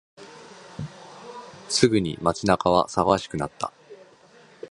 すぐに街中は騒がしくなった。